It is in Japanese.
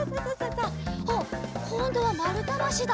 おっこんどはまるたばしだ。